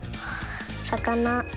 さかな。